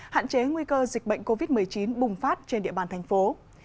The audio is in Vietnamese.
hạn chế nguy cơ dịch bệnh covid một mươi chín bùng phát trên địa bàn tp hcm